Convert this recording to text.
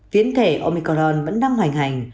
viễn thể omicron vẫn đang hoành hành